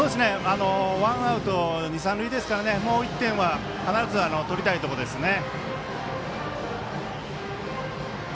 ワンアウト二塁三塁ですからもう１点は必ず取りたいところですね。